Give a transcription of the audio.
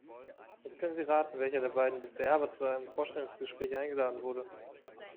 Jetzt können Sie raten, welcher der beiden "Bewerber" zu einem Vorstellungsgespräch eingeladen wurde.